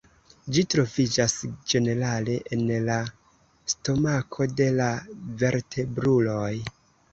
Ĝi troviĝas ĝenerale en la stomako de la vertebruloj.